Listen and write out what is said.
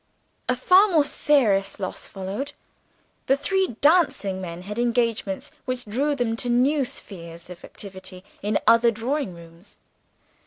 A far more serious loss followed. The three dancing men had engagements which drew them to new spheres of activity in other drawing rooms.